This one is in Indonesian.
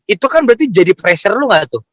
itu kan berarti jadi pressure lu gak tuh